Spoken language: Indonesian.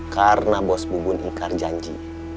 karena bos bu bun ikar janji